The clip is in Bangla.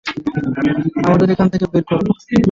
আমাদের এখান থেকে বের করো!